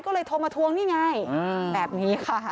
ก็เลยโทรมาทวงนี่ไงแบบนี้ค่ะ